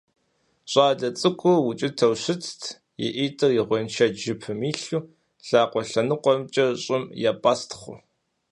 ЩӀалэ цӀыкӀур укӀытэу щытт, и ӀитӀыр и гъуэншэдж жыпым илъу, лъакъуэ лъэныкъуэмкӀэ щӀым епӀэстхъыу.